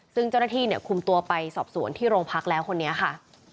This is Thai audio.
ซึ่งเจ้าหน้าที่เนี่ยคุมตัวไปสอบสวนที่โรงพักแล้วคนนี้ค่ะ